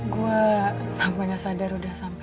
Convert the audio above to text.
gue sampe nyasadar udah sampe